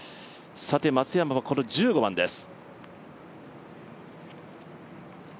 松山はこの１５番です。